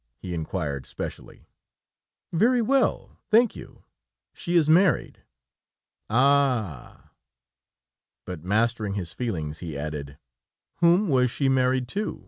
he inquired, specially. "Very well, thank you; she is married." "Ah!" ... But mastering his feelings, he added: "Whom was she married to?"